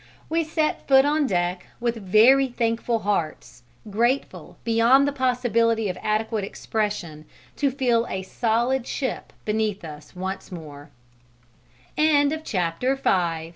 We set foot on deck with very thankful hearts, grateful beyond the possibility of adequate expression to feel a solid ship beneath us onc